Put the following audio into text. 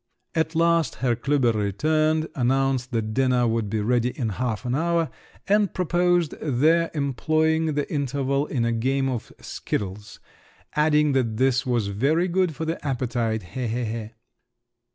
At last Herr Klüber returned, announced that dinner would be ready in half an hour, and proposed their employing the interval in a game of skittles, adding that this was very good for the appetite, he, he, he!